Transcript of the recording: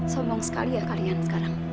sombong sekali ya kalian sekarang